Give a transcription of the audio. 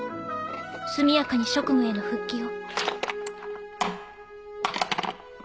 速やかに職務への復帰を」。